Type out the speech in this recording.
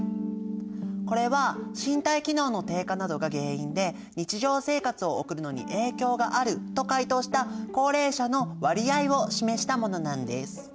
これは身体機能の低下などが原因で日常生活を送るのに影響があると回答した高齢者の割合を示したものなんです。